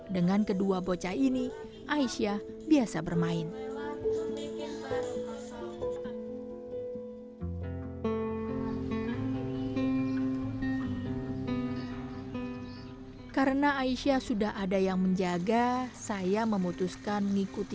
dengan kedua bocah ini aisyah biasa bermain